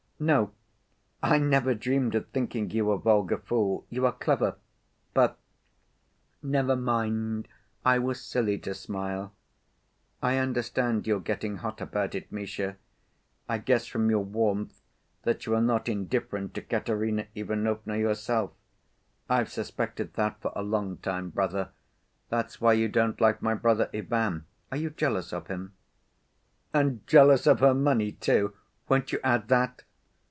"No, I never dreamed of thinking you a vulgar fool. You are clever but ... never mind, I was silly to smile. I understand your getting hot about it, Misha. I guess from your warmth that you are not indifferent to Katerina Ivanovna yourself; I've suspected that for a long time, brother, that's why you don't like my brother Ivan. Are you jealous of him?" "And jealous of her money, too? Won't you add that?"